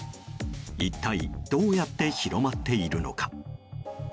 一体どうやって広まっているのか。